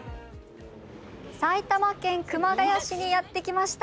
埼玉県熊谷市にやって来ました。